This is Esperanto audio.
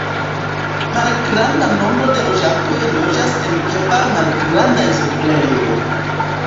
Malgranda nombro de loĝantoj loĝas en kvar malgrandaj setlejoj.